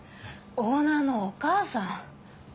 オーナーのお母さん。